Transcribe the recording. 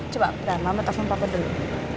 coba beramah menelepon papa dulu